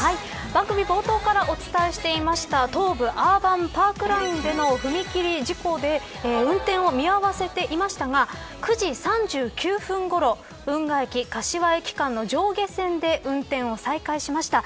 番組冒頭からお伝えしていました東武アーバンパークラインでの踏切事故で運転を見合わせていましたが９時３９分ごろ、運河駅柏駅間の上下線で運転を再開しました。